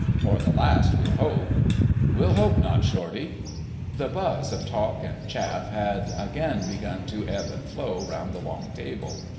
"Or the last, we'll hope." "We'll hope not, Shortie." The buzz of talk and chaff had again begun to ebb and flow round the long table.